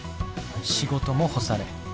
仕事も干され。